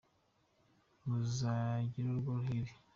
Muzagire urugo ruhire.